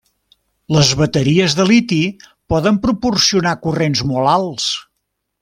Les bateries de liti poden proporcionar corrents molt alts.